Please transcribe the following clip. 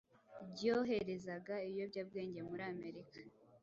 ryoherezaga ibiyobyabwenge muri Amerika